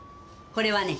これはね